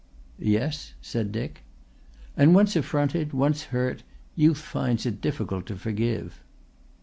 "Yes?" said Dick. "And once affronted, once hurt, youth finds it difficult to forgive."